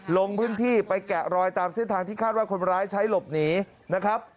ลงพื้นที่ไปแกะรอยตามเส้นทางที่คาดว่าคนร้ายใช้หลบหนีนะครับ